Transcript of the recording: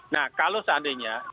nah kalau seandainya